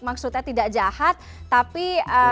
maksudnya tidak jahat tapi